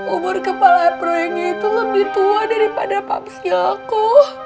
umur kepala proyeknya itu lebih tua daripada papsnya aku